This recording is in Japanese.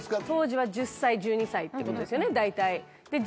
当時は１０歳、１２歳ってことですよね、大体。